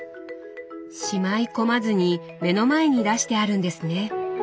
しまい込まずに目の前に出してあるんですね。